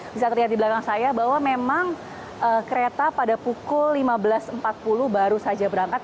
bisa terlihat di belakang saya bahwa memang kereta pada pukul lima belas empat puluh baru saja berangkat